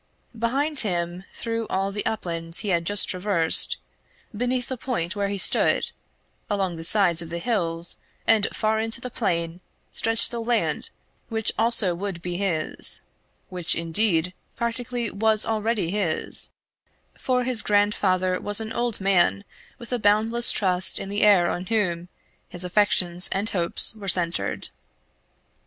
Behind him; through all the upland he had just traversed; beneath the point where he stood; along the sides of the hills, and far into the plain, stretched the land which also would be his which, indeed, practically was already his for his grandfather was an old man with a boundless trust in the heir on whom, his affections and hopes were centred.